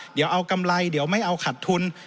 เดี๋ยวเอากำไรเดี๋ยวไม่เอาขัดทุน